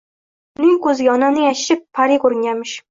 Uning ko`ziga, onamning aytishicha, pari ko`ringanmish